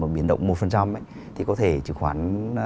biến động một thì có thể trứng khoán